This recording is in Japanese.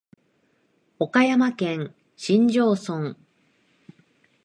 岡山県新庄村